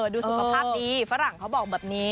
ดูสุขภาพดีฝรั่งเขาบอกแบบนี้